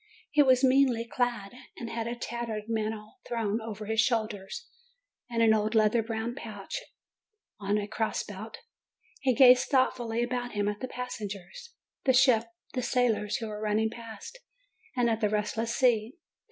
He was meanly clad, and had a tattered mantle thrown over his shoulders, and an old leather pouch on a cross belt. He gazed thoughtfully about him at the passengers, the ship, the sailors who were running past, and at the restless sea.